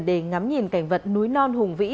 để ngắm nhìn cảnh vật núi non hùng vĩ